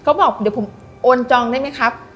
เขาบอกเดี๋ยวผมโอนจองได้ไหมครับ